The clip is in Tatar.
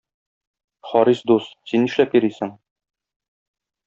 Харис дус, син нишләп йөрисен?